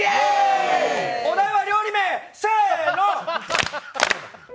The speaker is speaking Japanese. お題は料理名、せーの！